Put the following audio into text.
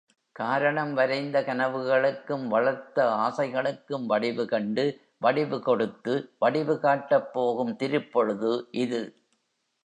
காரணம் வரைந்த கனவுகளுக்கும், வளர்த்த ஆசைகளுக்கும் வடிவு கண்டு, வடிவு கொடுத்து, வடிவு காட்டப்போகும் திருப் பொழுது இது.